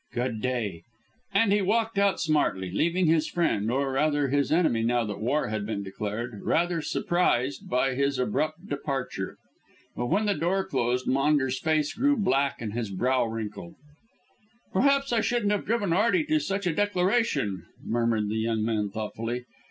"Good day," and he walked out smartly, leaving his friend, or, rather, his enemy, now that war had been declared, rather surprised by his abrupt departure. But when the door closed Maunders' face grew black and his brow wrinkled. "Perhaps I shouldn't have driven Arty to such a declaration," murmured the young man thoughtfully.